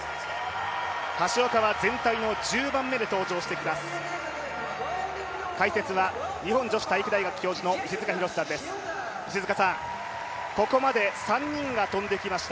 橋岡は全体の１０番目で登場してきます。